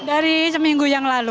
dari seminggu yang lalu